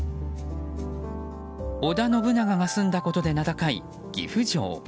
織田信長が住んだことで名高い岐阜城。